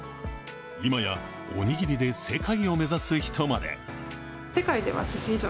今やおにぎりで世界を目指す人まで。